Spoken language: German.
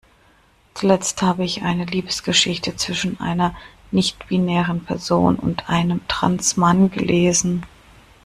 Zuletzt habe ich eine Liebesgeschichte zwischen einer nichtbinären Person und einem Trans-Mann gelesen.